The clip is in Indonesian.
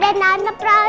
ma ada yang nantep rawanan